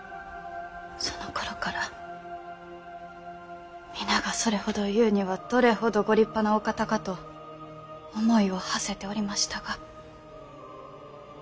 そのころから皆がそれほど言うにはどれほどご立派なお方かと思いをはせておりましたが。